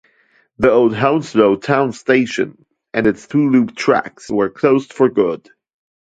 The old Hounslow Town station and its two loop tracks were closed for good.